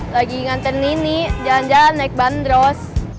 lagi nganter nini jalan jalan naik bandros